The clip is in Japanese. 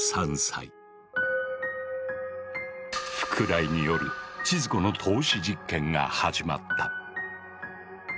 福来による千鶴子の透視実験が始まった。